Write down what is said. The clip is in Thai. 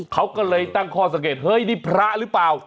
เขาก็เลยตั้งข้อสังเกตเฮ้ยนี่พระหรือเปล่า